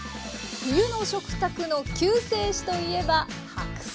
冬の食卓の救世主といえば白菜。